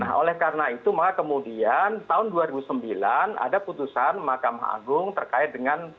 nah oleh karena itu maka kemudian tahun dua ribu sembilan ada putusan mahkamah agung terkait dengan